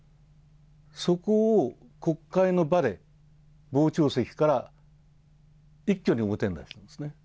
そこを国会の場で、傍聴席から一挙に表になったんですね。